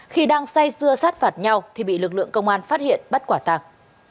khi đang xây xưa sát phạt nhau bị lực lượng công an phát hiện bắt quả tăng